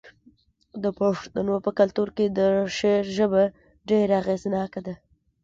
د پښتنو په کلتور کې د شعر ژبه ډیره اغیزناکه ده.